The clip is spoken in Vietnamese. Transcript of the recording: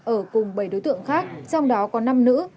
ở cùng bảy đối tượng khác trong đó có năm nữ